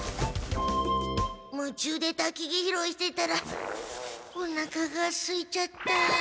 むちゅうでたきぎ拾いしてたらおなかがすいちゃった。